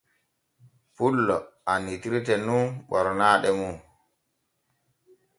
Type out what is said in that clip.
Pullo annitirte nun ɓornaaɗe nun.